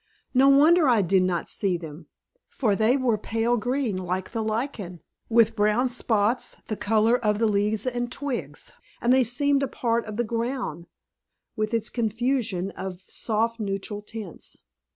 No wonder I did not see them; for they were pale green like the lichen, with brown spots the color of the leaves and twigs, and they seemed a part of the ground, with its confusion of soft neutral tints.